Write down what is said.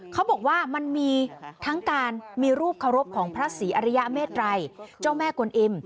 เขาบอกว่ามันมีทั้งการมีรูปเคารพของพระศรีอริยเมตรัยเจ้าแม่กวนอิ่ม